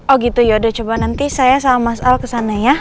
oh gitu yaudah coba nanti saya sama mas al kesana ya